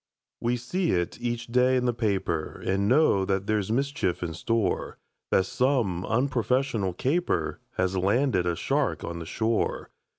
We see it each day in the paper, And know that there's mischief in store; That some unprofessional caper Has landed a shark on the shore.